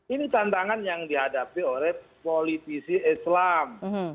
ini tantangan yang dihadapi oleh politisi islam